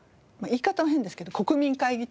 言い方は変ですけど国民会議的な。